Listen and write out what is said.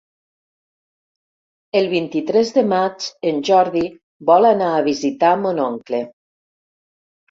El vint-i-tres de maig en Jordi vol anar a visitar mon oncle.